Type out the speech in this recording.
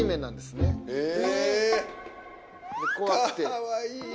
かわいい！